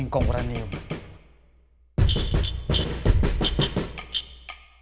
itu memang ada di sekitar